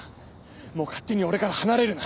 もう勝手に俺から離れるな。